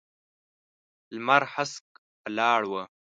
لمر هسک ولاړ و.